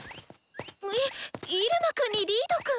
いっイルマくんにリードくん？